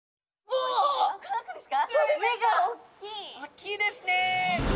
大きいですね。